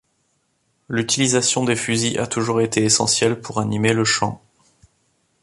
L'utilisation des fusils a toujours été essentielle pour animer le chant.